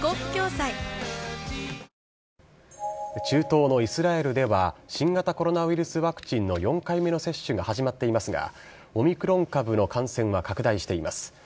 中東のイスラエルでは、新型コロナウイルスワクチンの４回目の接種が始まっていますが、オミクロン株の感染は拡大しています。